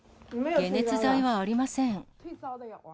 解熱剤はありません。